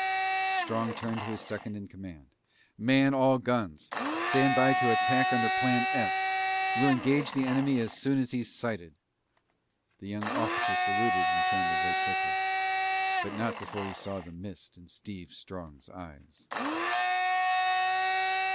Strong turned to his second in command. "Man all guns! Stand by to attack under plan S! We'll engage the enemy as soon as he's sighted!" The young officer saluted and turned away quickly. But not before he saw the mist in Steve Strong's eyes.